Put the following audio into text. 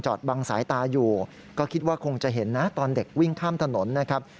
บังสายตาอยู่ก็คิดว่าคงจะเห็นนะตอนเด็กวิ่งข้ามถนนนะครับ